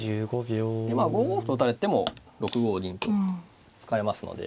でまあ５五歩と打たれても６五銀と使えますので。